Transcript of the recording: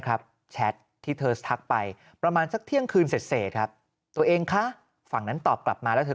แชทที่เธอทักไปประมาณสักเที่ยงคืนเสร็จครับตัวเองคะฝั่งนั้นตอบกลับมาแล้วเธอ